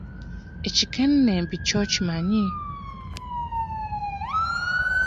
Ekikennembi kyo okimanyi?